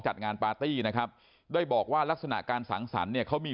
จัดงานปาร์ตี้นะครับได้บอกว่าลักษณะการสังสรรค์เนี่ยเขามี